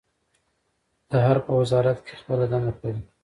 د حرب په وزارت کې يې خپله دنده پیل کړه.